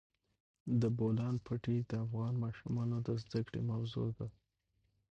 د بولان پټي د افغان ماشومانو د زده کړې موضوع ده.